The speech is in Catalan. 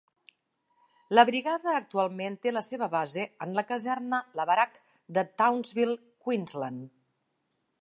La brigada actualment té la seva base en la caserna Lavarack de Townsville, Queensland.